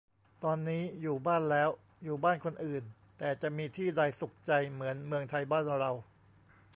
ตอนนี้ "อยู่บ้าน" แล้ว อยู่บ้านคนอื่น แต่จะมีที่ใดสุขใจเหมือนเมืองไทยบ้านเรา~~